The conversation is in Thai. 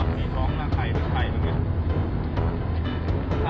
มีท้องละไข่ไข่มันมี